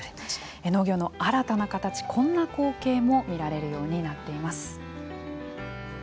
農業の新たな形、こんな光景も見られるようになっています。